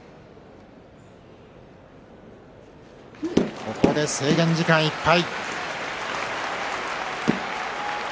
ここで制限時間いっぱい。